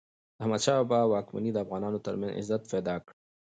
د احمد شاه بابا واکمني د افغانانو ترمنځ عزت پیدا کړ.